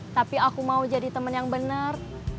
tapi aku mau jadi temen yang bener